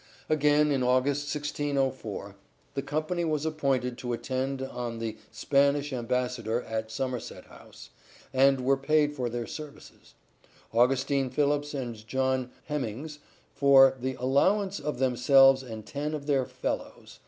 Again in August 1604 the company was appointed to attend on the Spanish Ambassador at Somerset House and were paid for their services ;" Augustine Phillipps and John Hemynges for th' allowance of themselves and tenne of their fellows